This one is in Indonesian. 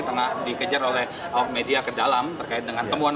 tengah dikejar oleh awak media ke dalam terkait dengan temuan